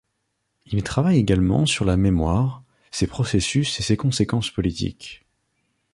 Il travaille également sur la mémoire, ses processus et ses conséquences politiques.